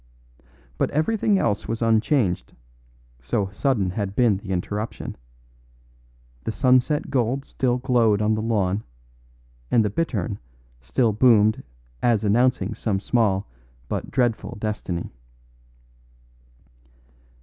But everything else was unchanged, so sudden had been the interruption. The sunset gold still glowed on the lawn, and the bittern still boomed as announcing some small but dreadful destiny.